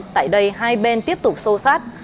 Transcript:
tại đây hai bên tiếp tục sô sát